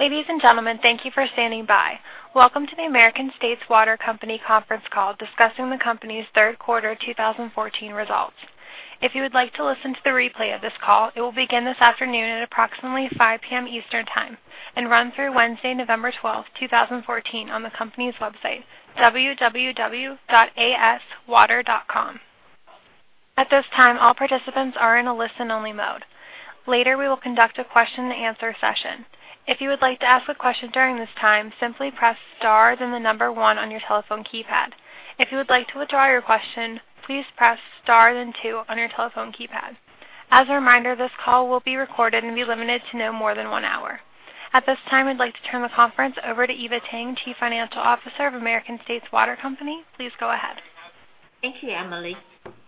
Ladies and gentlemen, thank you for standing by. Welcome to the American States Water Company conference call discussing the company's Third Quarter 2014 results. If you would like to listen to the replay of this call, it will begin this afternoon at approximately 5:00 P.M. Eastern Time and run through Wednesday, November 12th, 2014, on the company's website, www.aswater.com. At this time, all participants are in a listen-only mode. Later, we will conduct a question and answer session. If you would like to ask a question during this time, simply press star then the number one on your telephone keypad. If you would like to withdraw your question, please press star then two on your telephone keypad. As a reminder, this call will be recorded and be limited to no more than one hour. At this time, I'd like to turn the conference over to Eva Tang, Chief Financial Officer of American States Water Company. Please go ahead. Thank you, Amelie.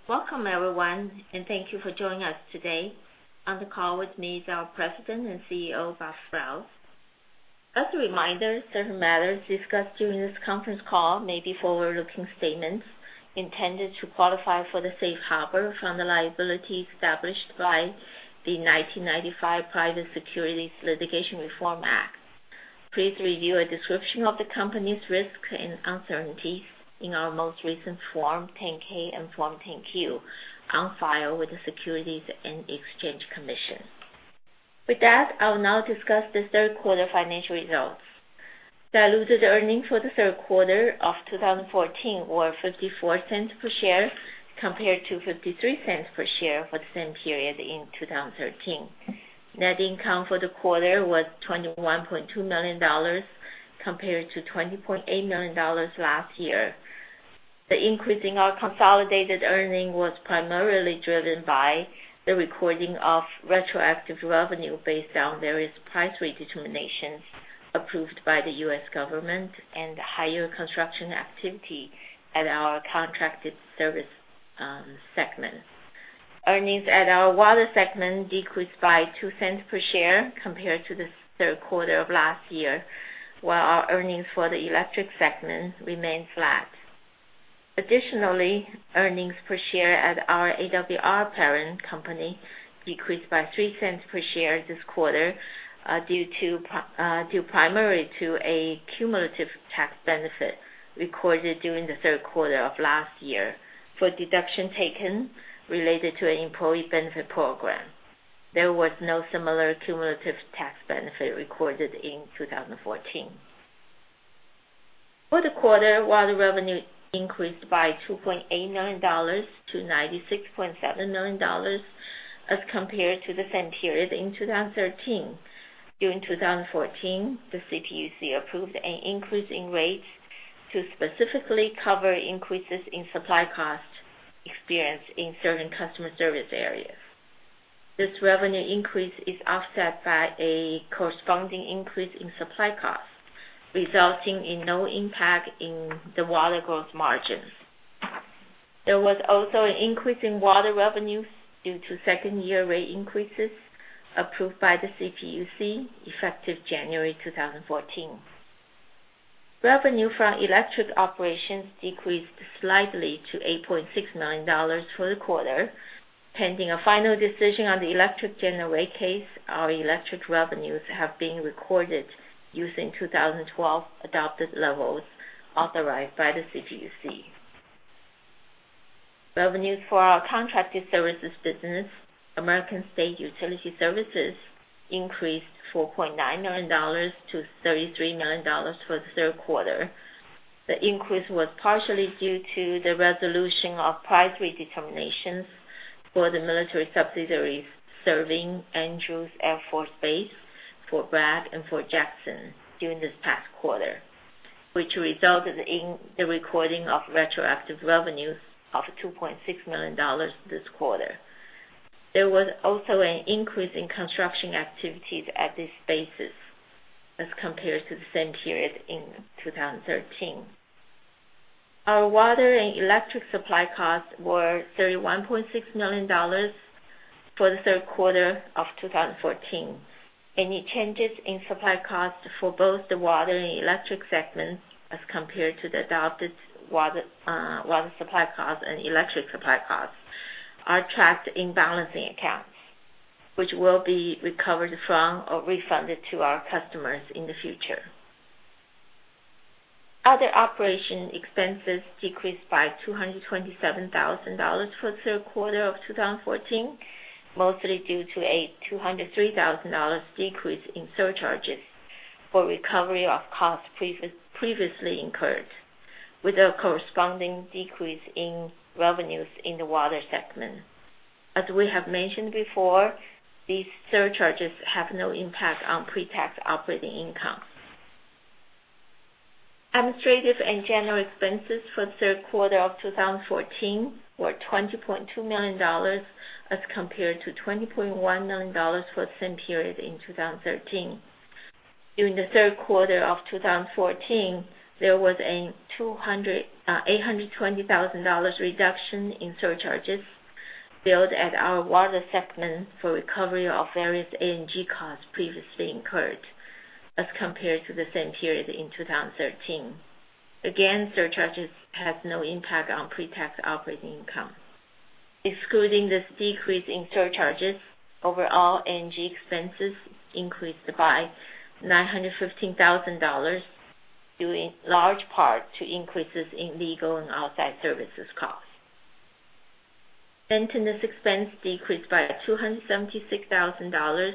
Welcome everyone, and thank you for joining us today. On the call with me is our President and CEO, Bob Sprowls. As a reminder, certain matters discussed during this conference call may be forward-looking statements intended to qualify for the safe harbor from the liability established by the 1995 Private Securities Litigation Reform Act. Please review a description of the company's risks and uncertainties in our most recent Form 10-K and Form 10-Q on file with the Securities and Exchange Commission. With that, I will now discuss the Third Quarter financial results. Diluted earnings for the Third Quarter 2014 were $0.54 per share, compared to $0.53 per share for the same period in 2013. Net income for the quarter was $21.2 million, compared to $20.8 million last year. The increase in our consolidated earning was primarily driven by the recording of retroactive revenue based on various price rate determinations approved by the U.S. government and higher construction activity at our contracted service segment. Earnings at our water segment decreased by $0.02 per share compared to the third quarter of last year, while our earnings for the electric segment remained flat. Additionally, earnings per share at our AWR parent company decreased by $0.03 per share this quarter due primarily to a cumulative tax benefit recorded during the third quarter of last year for a deduction taken related to an employee benefit program. There was no similar cumulative tax benefit recorded in 2014. For the quarter, water revenue increased by $2.8 million to $96.7 million as compared to the same period in 2013. During 2014, the CPUC approved an increase in rates to specifically cover increases in supply cost experienced in certain customer service areas. This revenue increase is offset by a corresponding increase in supply costs, resulting in no impact in the water gross margins. There was also an increase in water revenues due to second-year rate increases approved by the CPUC effective January 2014. Revenue from electric operations decreased slightly to $8.6 million for the quarter. Pending a final decision on the electric general rate case, our electric revenues have been recorded using 2012 adopted levels authorized by the CPUC. Revenues for our contracted services business, American States Utility Services, increased $4.9 million to $33 million for the third quarter. The increase was partially due to the resolution of price redeterminations for the military subsidiaries serving Andrews Air Force Base, Fort Bragg, and Fort Jackson during this past quarter, which resulted in the recording of retroactive revenues of $2.6 million this quarter. There was also an increase in construction activities at these bases as compared to the same period in 2013. Our water and electric supply costs were $31.6 million for the third quarter of 2014. Any changes in supply costs for both the water and electric segments as compared to the adopted water supply costs and electric supply costs are tracked in balancing accounts, which will be recovered from or refunded to our customers in the future. Other operation expenses decreased by $227,000 for the third quarter of 2014, mostly due to a $203,000 decrease in surcharges for recovery of costs previously incurred, with a corresponding decrease in revenues in the water segment. As we have mentioned before, these surcharges have no impact on pre-tax operating income. Administrative and general expenses for the third quarter of 2014 were $20.2 million as compared to $20.1 million for the same period in 2013. During the third quarter of 2014, there was an $820,000 reduction in surcharges billed at our water segment for recovery of various A&G costs previously incurred as compared to the same period in 2013. Again, surcharges have no impact on pre-tax operating income. Excluding this decrease in surcharges, overall A&G expenses increased by $915,000, due in large part to increases in legal and outside services costs. Maintenance expense decreased by $276,000,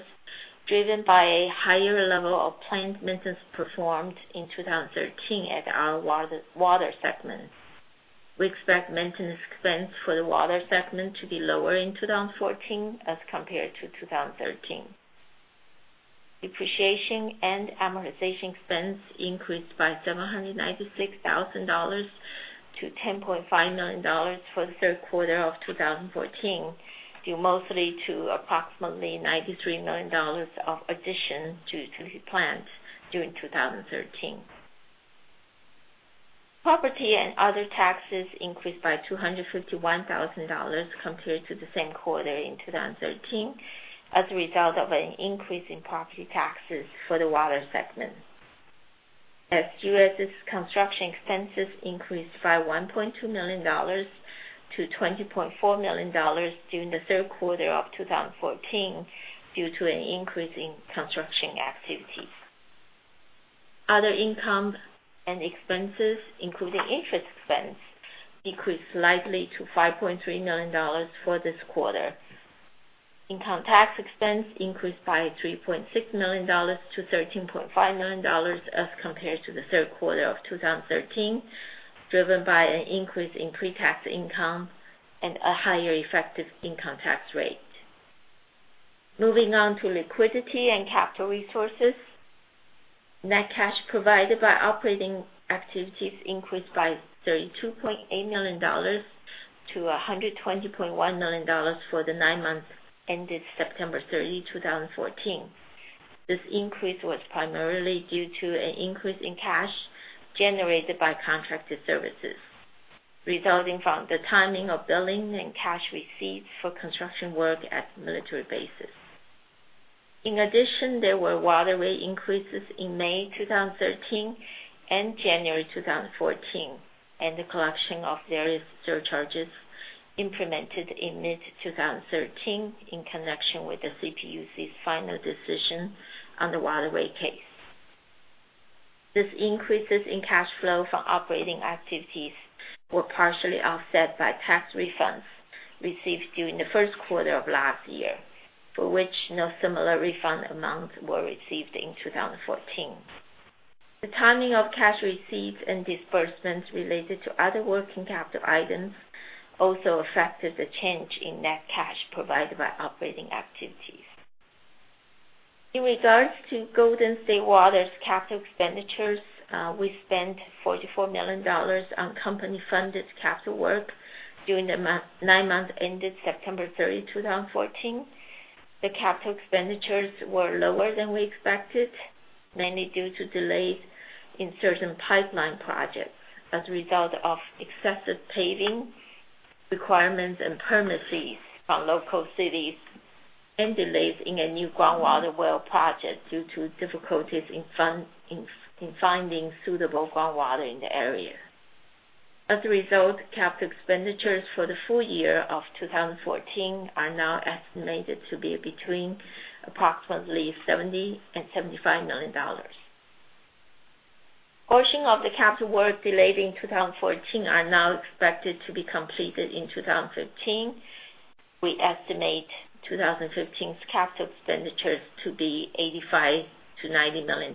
driven by a higher level of planned maintenance performed in 2013 at our water segment. We expect maintenance expense for the water segment to be lower in 2014 as compared to 2013. Depreciation and amortization expense increased by $796,000 to $10.59 for the third quarter of 2014, due mostly to approximately $93 million of additions to the plant during 2013. Property and other taxes increased by $251,000 compared to the same quarter in 2013 as a result of an increase in property taxes for the water segment. SG&S construction expenses increased by $1.2 million to $20.4 million during the third quarter of 2014 due to an increase in construction activities. Other income and expenses, including interest expense, decreased slightly to $5.3 million for this quarter. Income tax expense increased by $3.6 million to $13.5 million as compared to the third quarter of 2013, driven by an increase in pre-tax income and a higher effective income tax rate. Moving on to liquidity and capital resources. Net cash provided by operating activities increased by $32.8 million to $120.1 million for the nine months ended September 30, 2014. This increase was primarily due to an increase in cash generated by contracted services resulting from the timing of billing and cash receipts for construction work at military bases. In addition, there were water rate increases in May 2013 and January 2014, and the collection of various surcharges implemented in mid-2013 in connection with the CPUC's final decision on the water rate case. These increases in cash flow from operating activities were partially offset by tax refunds received during the first quarter of last year, for which no similar refund amounts were received in 2014. The timing of cash receipts and disbursements related to other working capital items also affected the change in net cash provided by operating activities. In regards to Golden State Water's capital expenditures, we spent $44 million on company-funded capital work during the nine months ended September 30, 2014. The capital expenditures were lower than we expected, mainly due to delays in certain pipeline projects as a result of excessive paving requirements and permits from local cities, and delays in a new groundwater well project due to difficulties in finding suitable groundwater in the area. As a result, capital expenditures for the full year of 2014 are now estimated to be between approximately $70 million and $75 million. Portion of the capital work delayed in 2014 are now expected to be completed in 2015. We estimate 2015's capital expenditures to be $85 million-$90 million.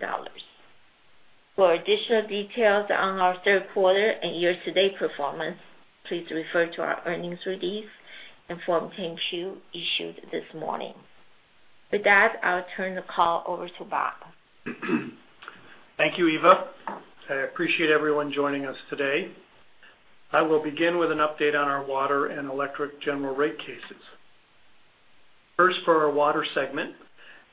For additional details on our third quarter and year-to-date performance, please refer to our earnings release and Form 10-Q issued this morning. With that, I'll turn the call over to Bob. Thank you, Eva. I appreciate everyone joining us today. I will begin with an update on our water and electric general rate cases. First, for our water segment.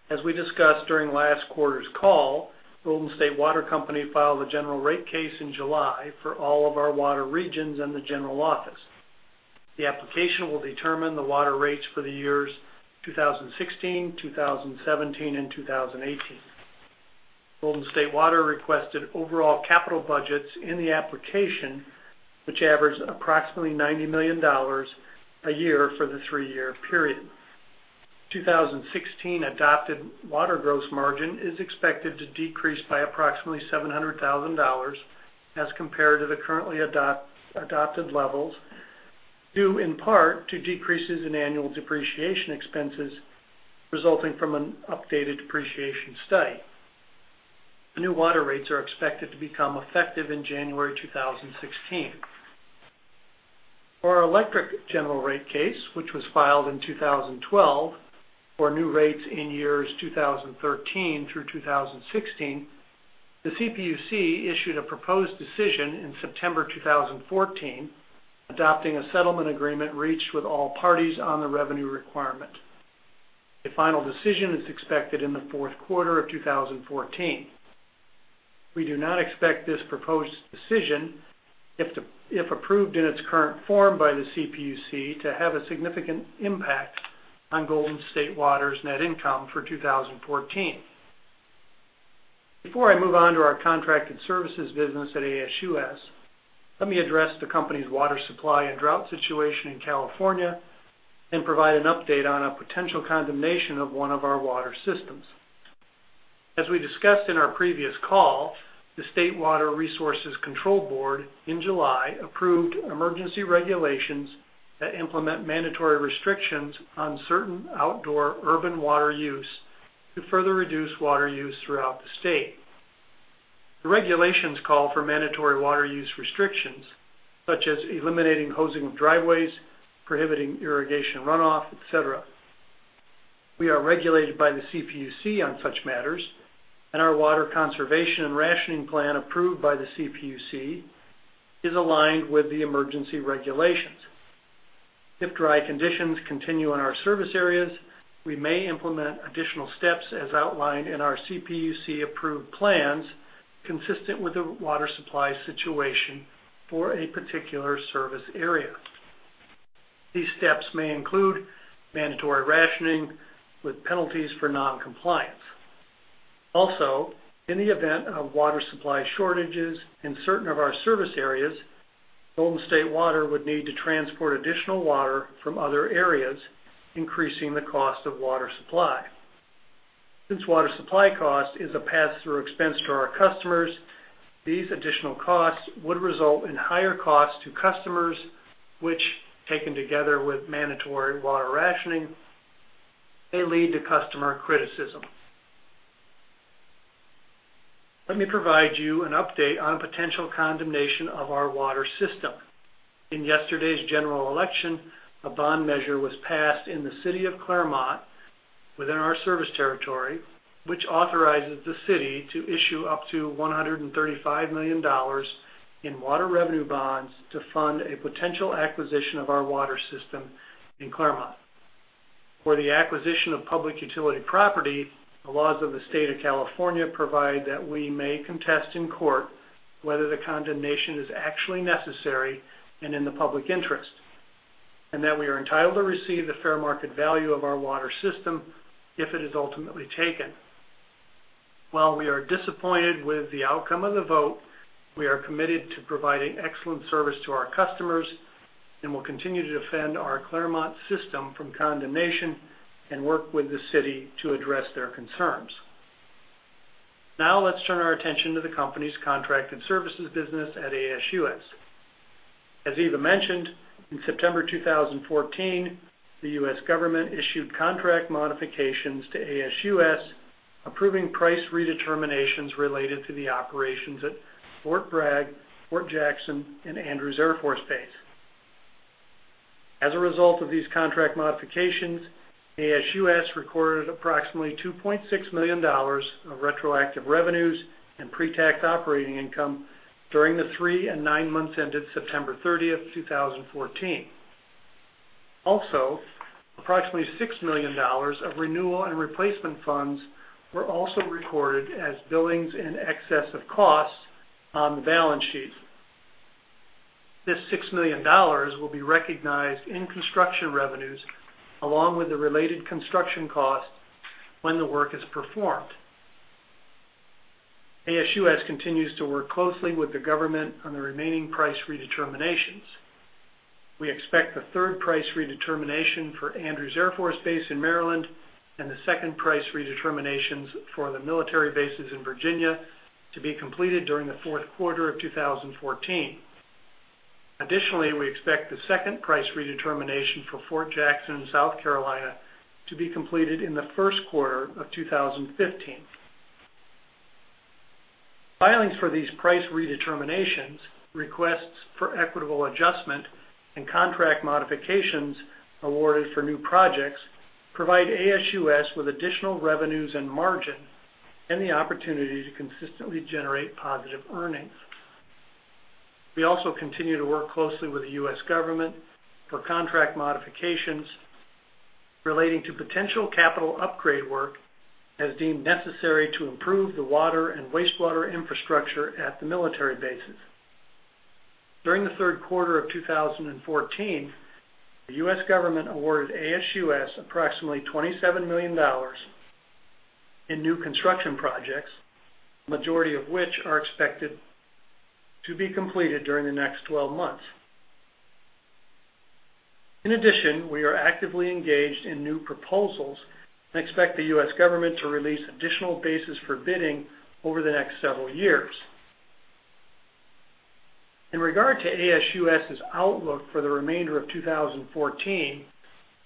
As we discussed during last quarter's call, Golden State Water Company filed a general rate case in July for all of our water regions and the general office. The application will determine the water rates for the years 2016, 2017, and 2018. Golden State Water requested overall capital budgets in the application, which averages approximately $90 million a year for the three-year period. 2016 adopted water gross margin is expected to decrease by approximately $700,000 as compared to the currently adopted levels, due in part to decreases in annual depreciation expenses resulting from an updated depreciation study. The new water rates are expected to become effective in January 2016. For our electric general rate case, which was filed in 2012 for new rates in years 2013 through 2016, the CPUC issued a proposed decision in September 2014, adopting a settlement agreement reached with all parties on the revenue requirement. The final decision is expected in the fourth quarter of 2014. We do not expect this proposed decision, if approved in its current form by the CPUC, to have a significant impact on Golden State Water's net income for 2014. Before I move on to our contracted services business at ASUS, let me address the company's water supply and drought situation in California and provide an update on a potential condemnation of one of our water systems. As we discussed in our previous call, the State Water Resources Control Board, in July, approved emergency regulations that implement mandatory restrictions on certain outdoor urban water use to further reduce water use throughout the state. The regulations call for mandatory water use restrictions, such as eliminating hosing of driveways, prohibiting irrigation runoff, et cetera. We are regulated by the CPUC on such matters, and our water conservation and rationing plan approved by the CPUC is aligned with the emergency regulations. If dry conditions continue in our service areas, we may implement additional steps as outlined in our CPUC-approved plans consistent with the water supply situation for a particular service area. These steps may include mandatory rationing with penalties for non-compliance. Also, in the event of water supply shortages in certain of our service areas, Golden State Water would need to transport additional water from other areas, increasing the cost of water supply. Since water supply cost is a pass-through expense to our customers, these additional costs would result in higher costs to customers, which, taken together with mandatory water rationing, may lead to customer criticism. Let me provide you an update on potential condemnation of our water system. In yesterday's general election, a bond measure was passed in the city of Claremont within our service territory, which authorizes the city to issue up to $135 million in water revenue bonds to fund a potential acquisition of our water system in Claremont. For the acquisition of public utility property, the laws of the state of California provide that we may contest in court whether the condemnation is actually necessary and in the public interest, and that we are entitled to receive the fair market value of our water system if it is ultimately taken. While we are disappointed with the outcome of the vote, we are committed to providing excellent service to our customers and will continue to defend our Claremont system from condemnation and work with the city to address their concerns. Now, let's turn our attention to the company's contract and services business at ASUS. As Eva mentioned, in September 2014, the U.S. government issued contract modifications to ASUS, approving price redeterminations related to the operations at Fort Bragg, Fort Jackson, and Andrews Air Force Base. As a result of these contract modifications, ASUS recorded approximately $2.6 million of retroactive revenues and pre-tax operating income during the three and nine months ended September 30th, 2014. Approximately $6 million of renewal and replacement funds were also recorded as billings in excess of costs on the balance sheet. This $6 million will be recognized in construction revenues along with the related construction cost when the work is performed. ASUS continues to work closely with the government on the remaining price redeterminations. We expect the third price redetermination for Andrews Air Force Base in Maryland and the second price redeterminations for the military bases in Virginia to be completed during the fourth quarter of 2014. Additionally, we expect the second price redetermination for Fort Jackson, South Carolina, to be completed in the first quarter of 2015. Filings for these price redeterminations, requests for equitable adjustment, and contract modifications awarded for new projects provide ASUS with additional revenues and margin and the opportunity to consistently generate positive earnings. We also continue to work closely with the U.S. government for contract modifications relating to potential capital upgrade work as deemed necessary to improve the water and wastewater infrastructure at the military bases. During the Third Quarter 2014, the U.S. government awarded ASUS approximately $27 million in new construction projects, the majority of which are expected to be completed during the next 12 months. We are actively engaged in new proposals and expect the U.S. government to release additional bases for bidding over the next several years. In regard to ASUS's outlook for the remainder of 2014,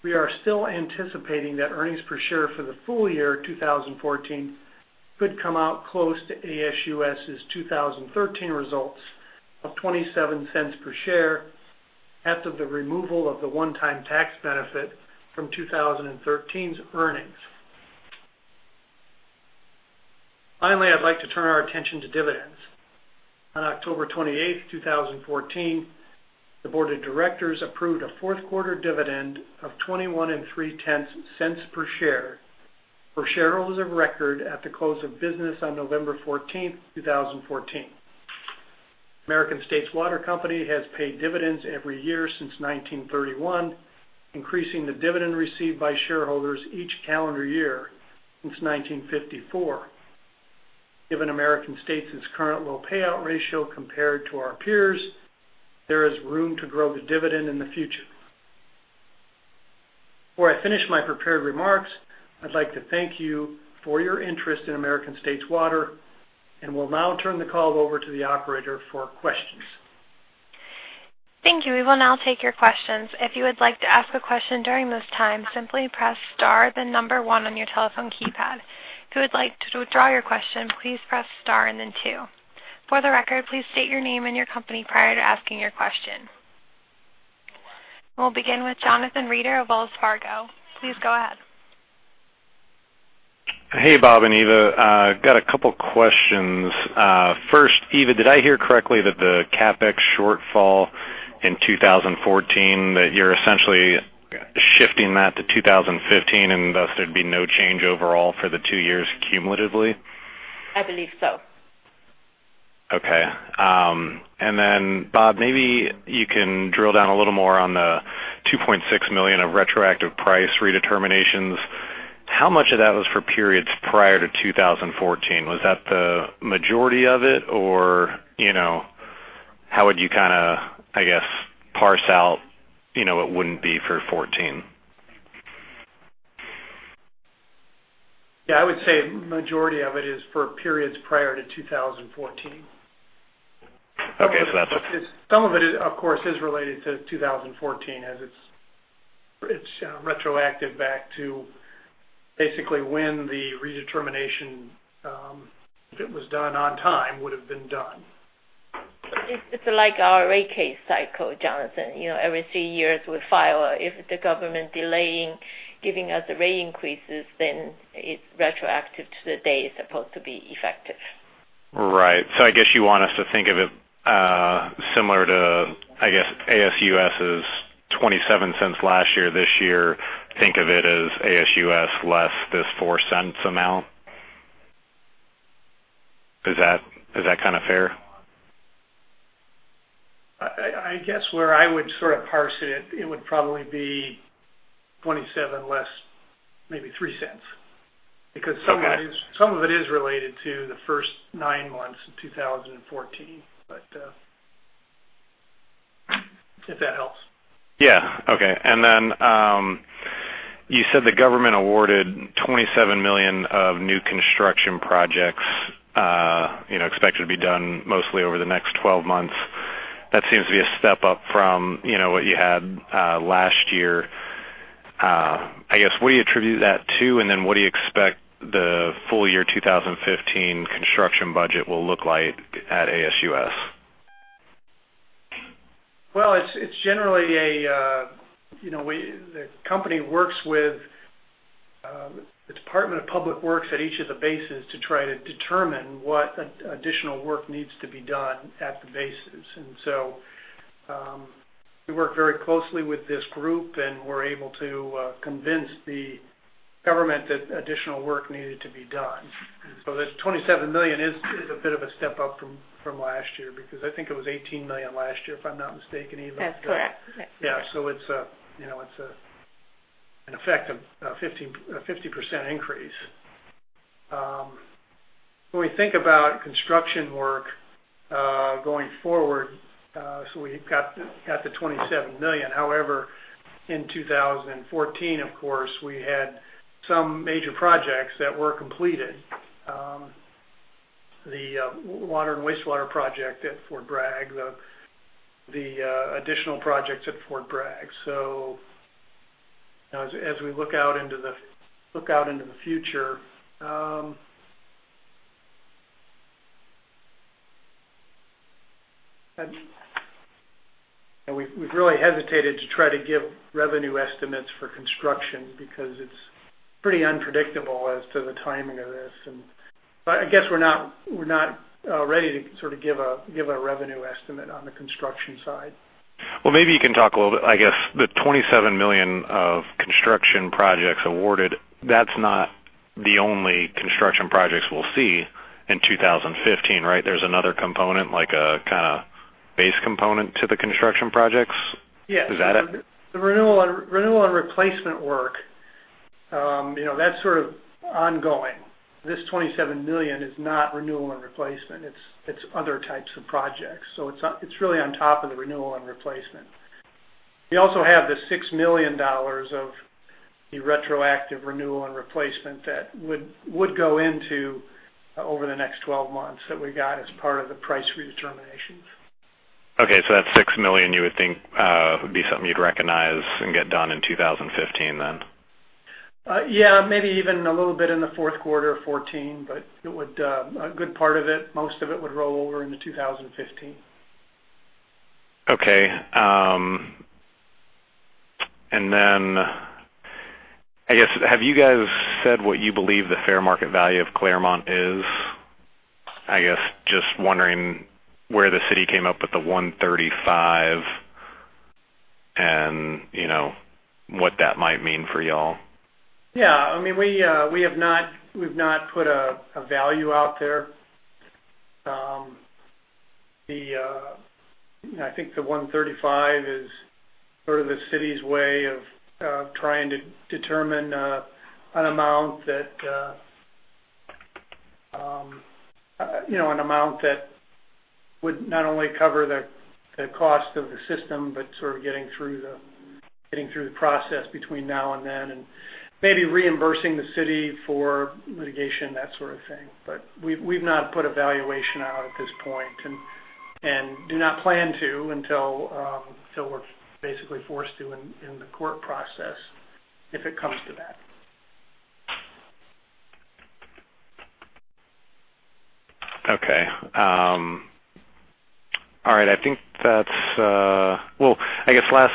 we are still anticipating that earnings per share for the full year 2014 could come out close to ASUS's 2013 results of $0.27 per share after the removal of the one-time tax benefit from 2013's earnings. I'd like to turn our attention to dividends. On October 28th, 2014, the board of directors approved a fourth-quarter dividend of $0.213 per share for shareholders of record at the close of business on November 14th, 2014. American States Water Company has paid dividends every year since 1931, increasing the dividend received by shareholders each calendar year since 1954. Given American States' current low payout ratio compared to our peers, there is room to grow the dividend in the future. Before I finish my prepared remarks, I'd like to thank you for your interest in American States Water, and will now turn the call over to the operator for questions. Thank you. We will now take your questions. If you would like to ask a question during this time, simply press star then number 1 on your telephone keypad. If you would like to withdraw your question, please press star and then 2. For the record, please state your name and your company prior to asking your question. We'll begin with Jonathan Reeder of Wells Fargo. Please go ahead. Hey, Bob and Eva. Got a couple questions. First, Eva, did I hear correctly that the CapEx shortfall in 2014, that you're essentially shifting that to 2015, and thus there'd be no change overall for the two years cumulatively? I believe so. Okay. Bob, maybe you can drill down a little more on the $2.6 million of retroactive price redeterminations. How much of that was for periods prior to 2014? Was that the majority of it, or how would you, I guess, parse out what wouldn't be for 2014? Yeah, I would say majority of it is for periods prior to 2014. Okay. Some of it, of course, is related to 2014 as it's retroactive back to basically when the redetermination, if it was done on time, would've been done. It's like our rate case cycle, Jonathan. Every three years we file. If the government delaying giving us the rate increases, then it's retroactive to the day it's supposed to be effective. Right. I guess you want us to think of it similar to, I guess, ASUS's $0.27 last year, this year, think of it as ASUS less this $0.04 amount? Is that kind of fair? I guess where I would sort of parse it would probably be 27 less maybe $0.03. Okay. Some of it is related to the first nine months of 2014. If that helps. Yeah. Okay. You said the government awarded $27 million of new construction projects expected to be done mostly over the next 12 months. That seems to be a step up from what you had last year. I guess, what do you attribute that to, what do you expect the full year 2015 construction budget will look like at ASUS? Well, the company works with the Department of Public Works at each of the bases to try to determine what additional work needs to be done at the bases. We work very closely with this group, and we're able to convince the government that additional work needed to be done. The $27 million is a bit of a step up from last year, because I think it was $18 million last year, if I'm not mistaken, Eva. That's correct. Yes. It's an effect of a 50% increase. When we think about construction work going forward, we've got the $27 million. However, in 2014, of course, we had some major projects that were completed. The water and wastewater project at Fort Bragg, the additional projects at Fort Bragg. As we look out into the future, we've really hesitated to try to give revenue estimates for construction because it's pretty unpredictable as to the timing of this. I guess we're not ready to sort of give a revenue estimate on the construction side. Well, maybe you can talk a little bit, I guess, the $27 million of construction projects awarded, that's not the only construction projects we'll see in 2015, right? There's another component, like a base component to the construction projects? Yes. Is that it? The renewal and replacement work, that's sort of ongoing. This $27 million is not renewal and replacement, it's other types of projects. It's really on top of the renewal and replacement. We also have the $6 million of the retroactive renewal and replacement that would go into over the next 12 months that we got as part of the price redeterminations. Okay, that $6 million you would think would be something you'd recognize and get done in 2015 then? Yeah, maybe even a little bit in the fourth quarter of 2014, a good part of it, most of it would roll over into 2015. Okay. Then, I guess, have you guys said what you believe the fair market value of Claremont is? I guess, just wondering where the city came up with the $135 million. What that might mean for you all? Yeah. We've not put a value out there. I think the $135 is sort of the city's way of trying to determine an amount that would not only cover the cost of the system, but sort of getting through the process between now and then, and maybe reimbursing the city for litigation, that sort of thing. We've not put a valuation out at this point, and do not plan to until we're basically forced to in the court process, if it comes to that. Okay. All right. I guess last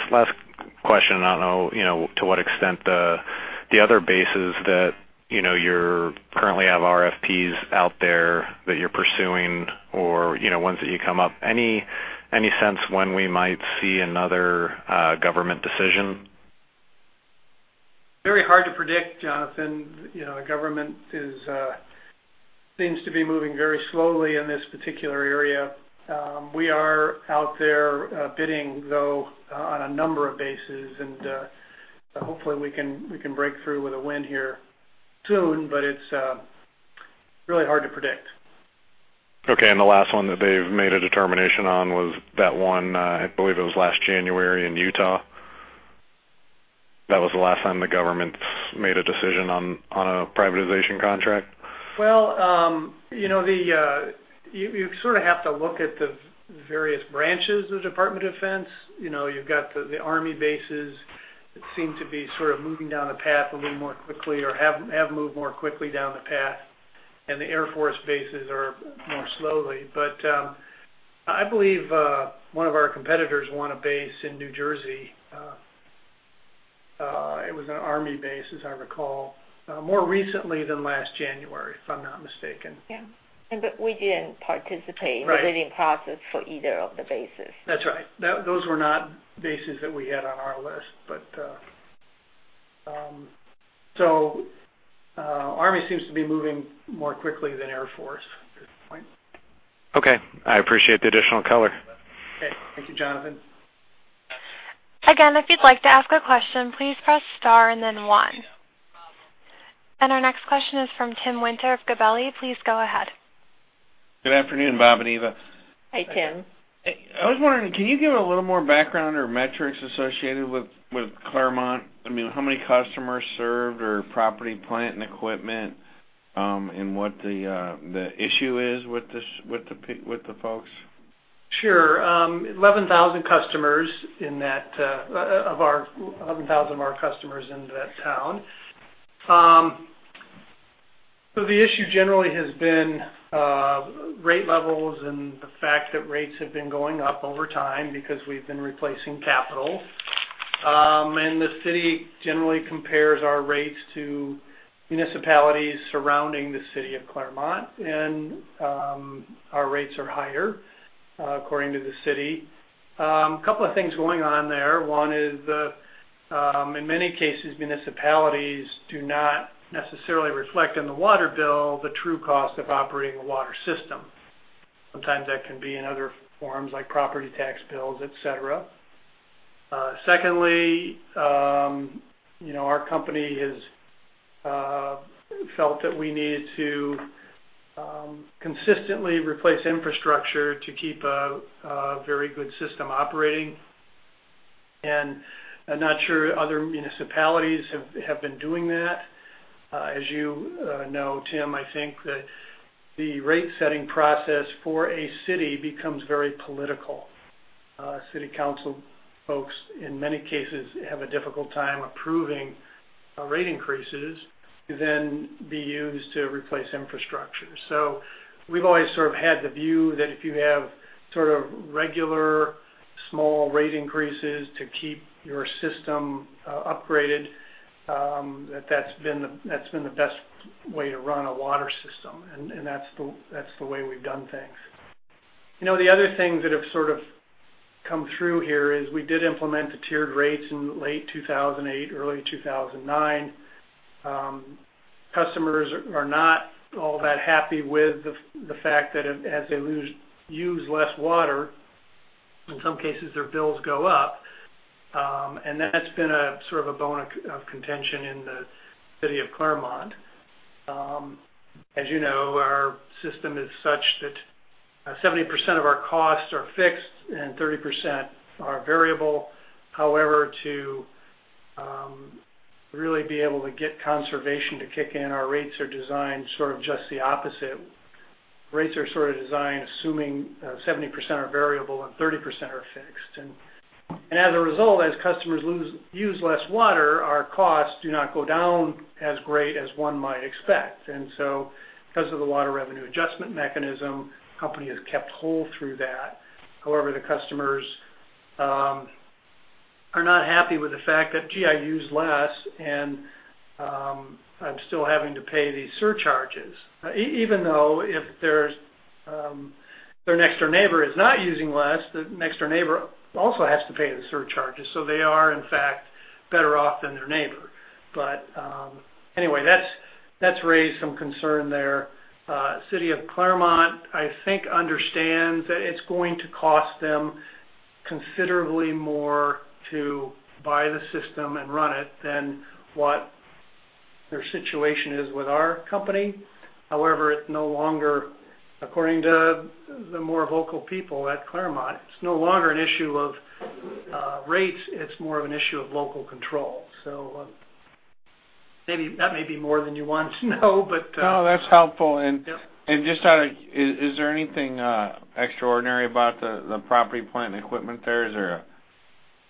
question, I don't know to what extent the other bases that you currently have RFPs out there that you're pursuing or ones that you come up. Any sense when we might see another government decision? Very hard to predict, Jonathan. The government seems to be moving very slowly in this particular area. We are out there bidding, though, on a number of bases, and hopefully we can break through with a win here soon, but it's really hard to predict. Okay, and the last one that they've made a determination on was that one, I believe it was last January in Utah. That was the last time the government's made a decision on a privatization contract? Well, you sort of have to look at the various branches of Department of Defense. You've got the Army bases that seem to be sort of moving down a path a little more quickly or have moved more quickly down the path, and the Air Force bases are more slowly. I believe one of our competitors won a base in New Jersey. It was an Army base, as I recall, more recently than last January, if I'm not mistaken. Yeah. We didn't participate- Right in the bidding process for either of the bases. That's right. Those were not bases that we had on our list. Army seems to be moving more quickly than Air Force at this point. Okay. I appreciate the additional color. Okay. Thank you, Jonathan. Again, if you'd like to ask a question, please press star and then one. Our next question is from Tim Winter of Gabelli. Please go ahead. Good afternoon, Bob and Eva. Hi, Tim. I was wondering, can you give a little more background or metrics associated with Claremont? How many customers served, or property, plant, and equipment and what the issue is with the folks? Sure. 11,000 of our customers in that town. The issue generally has been rate levels and the fact that rates have been going up over time because we've been replacing capital. The city generally compares our rates to municipalities surrounding the city of Claremont, and our rates are higher according to the city. Couple of things going on there. One is in many cases, municipalities do not necessarily reflect on the water bill the true cost of operating a water system. Sometimes that can be in other forms, like property tax bills, et cetera. Secondly, our company has felt that we needed to consistently replace infrastructure to keep a very good system operating, and I'm not sure other municipalities have been doing that. As you know, Tim, I think that the rate-setting process for a city becomes very political. City council folks, in many cases, have a difficult time approving rate increases to then be used to replace infrastructure. We've always sort of had the view that if you have sort of regular small rate increases to keep your system upgraded, that's been the best way to run a water system, and that's the way we've done things. The other things that have sort of come through here is we did implement the tiered rates in late 2008, early 2009. Customers are not all that happy with the fact that as they use less water, in some cases, their bills go up. That's been sort of a bone of contention in the city of Claremont. As you know, our system is such that 70% of our costs are fixed and 30% are variable. However, to really be able to get conservation to kick in, our rates are designed sort of just the opposite. Rates are sort of designed assuming 70% are variable and 30% are fixed. As a result, as customers use less water, our costs do not go down as great as one might expect. So because of the Water Revenue Adjustment Mechanism, company has kept whole through that. However, the customers are not happy with the fact that, "Gee, I used less, and I'm still having to pay these surcharges, even though if their next-door neighbor is not using less, the next-door neighbor also has to pay the surcharges, so they are, in fact, better off than their neighbor. Anyway, that's raised some concern there. City of Claremont, I think, understands that it's going to cost them considerably more to buy the system and run it than what their situation is with our company. However, according to the more vocal people at Claremont, it's no longer an issue of rates, it's more of an issue of local control. That may be more than you wanted to know, but. No, that's helpful. Yep. Is there anything extraordinary about the property, plant, and equipment there? Is there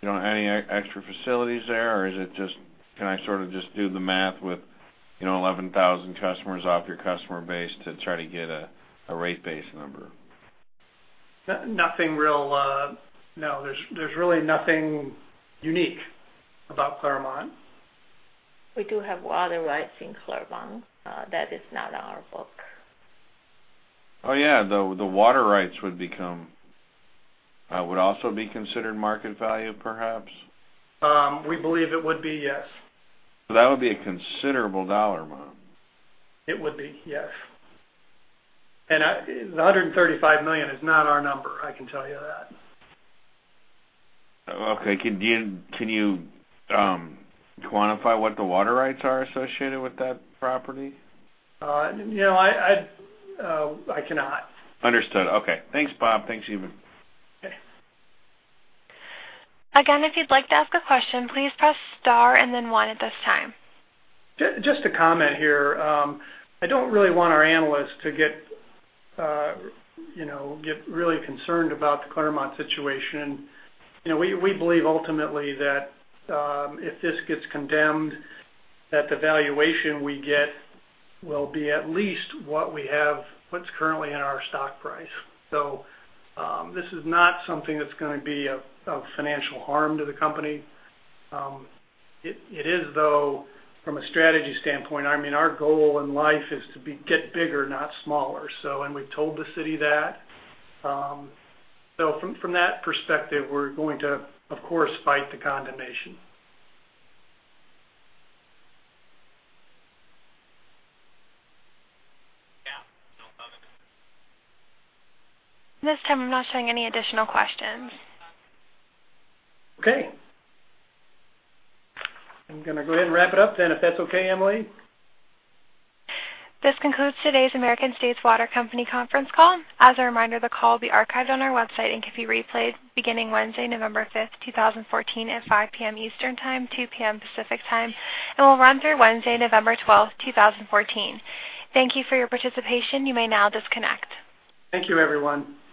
any extra facilities there, or can I sort of just do the math with 11,000 customers off your customer base to try to get a rate base number? No. There's really nothing unique about Claremont. We do have water rights in Claremont. That is not on our book. Yeah, the water rights would also be considered market value, perhaps? We believe it would be, yes. That would be a considerable dollar amount. It would be, yes. The $135 million is not our number, I can tell you that. Okay. Can you quantify what the water rights are associated with that property? I cannot. Understood. Okay. Thanks, Bob. Thanks, Eva. Okay. Again, if you'd like to ask a question, please press star and then one at this time. Just to comment here, I don't really want our analysts to get really concerned about the Claremont situation. We believe ultimately that if this gets condemned, that the valuation we get will be at least what's currently in our stock price. This is not something that's going to be of financial harm to the company. It is, though, from a strategy standpoint, our goal in life is to get bigger, not smaller, and we've told the city that. From that perspective, we're going to, of course, fight the condemnation. Yeah. No problem. At this time, I'm not showing any additional questions. Okay. I'm going to go ahead and wrap it up then, if that's okay, Amelie. This concludes today's American States Water Company conference call. As a reminder, the call will be archived on our website and can be replayed beginning Wednesday, November 5th, 2014 at 5:00 P.M. Eastern Time, 2:00 P.M. Pacific Time, and will run through Wednesday, November 12th, 2014. Thank you for your participation. You may now disconnect. Thank you, everyone.